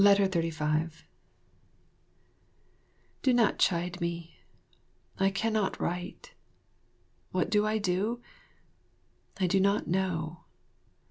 35 Do not chide me. I cannot write. What do I do? I do not know.